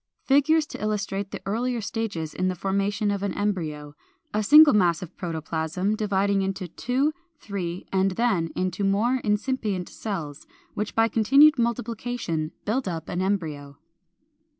Figures to illustrate the earlier stages in the formation of an embryo; a single mass of protoplasm (Fig. 433) dividing into two, three, and then into more incipient cells, which by continued multiplication build up an embryo.